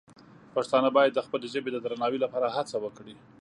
پښتانه باید د خپلې ژبې د درناوي لپاره هڅه وکړي.